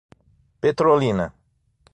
Petrolina